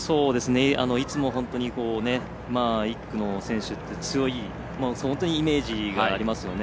いつも本当に１区の選手強いイメージがありますよね。